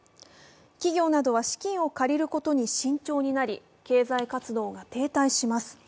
企業などは資金を借りることに慎重になり経済活動が停滞します。